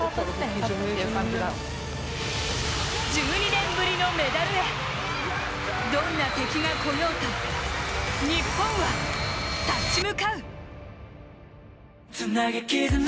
１２年ぶりのメダルへどんな敵が来ようと日本は立ち向かう。